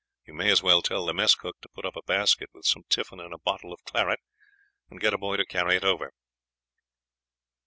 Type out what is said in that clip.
You may as well tell the mess cook to put up a basket with some tiffin and a bottle of claret, and get a boy to carry it over.'